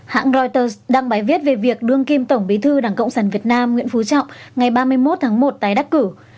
hãng reuters đăng bài viết về việc đương kim tổng bí thư đảng cộng sản việt nam nguyễn phú trọng ngày ba mươi một tháng một tái đắc cử